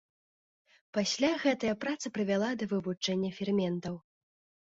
Пасля гэтая праца прывяла да вывучэння ферментаў.